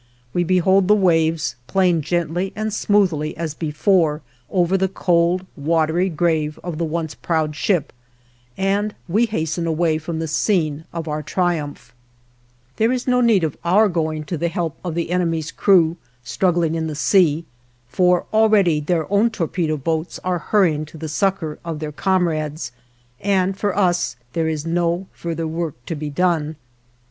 We behold the waves playing gently and smoothly as before over the cold, watery grave of the once proud ship and we hasten away from the scene of our triumph. [Illustration: Copyright by Underwood & Underwood, N.Y. A TORPEDOED SCHOONER] There is no need of our going to the help of the enemy's crew struggling in the sea, for already their own torpedo boats are hurrying to the succor of their comrades, and for us there is further work to be done.